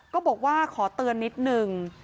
ก็บอกว่าขอเตือนนิดนึง